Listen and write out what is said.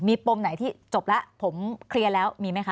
มีปมไหนที่จบแล้วผมเคลียร์แล้วมีไหมคะ